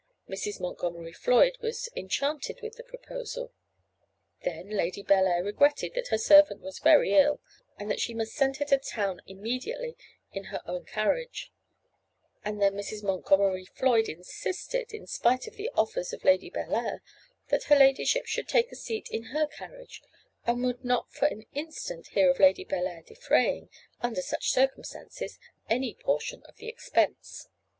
Mrs. Montgomery Floyd was enchanted with the proposal. Then Lady Bellair regretted that her servant was very ill, and that she must send her to town immediately in her own carriage; and then Mrs. Montgomery Floyd insisted, in spite of the offers of Lady Bellair, that her ladyship should take a seat in her carriage, and would not for an instant hear of Lady Bellair defraying, under such circumstances, any portion of the expense.